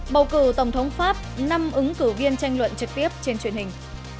bầu cử tổng thống pháp năm ứng cử viên tranh luận trực tiếp trên truyền hình